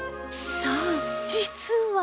そう実は